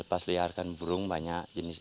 pembangunan berkompensasi berupa hewan ternak